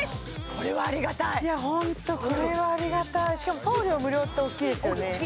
これはありがたいいやホントこれはありがたいしかも送料無料って大きいですよね